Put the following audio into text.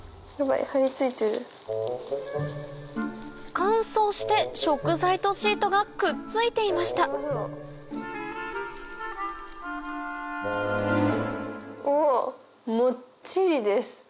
乾燥して食材とシートがくっついていましたおモッチリです。